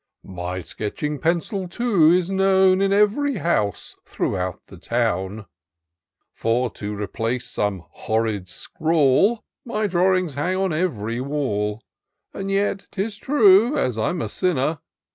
My sketching pencil, too, is known In ev'ry house throughout the town ; For, to replace some horrid scrawl, My drawings hang on ev'ry wall : And yet, 'tis true, as I'm a sinner.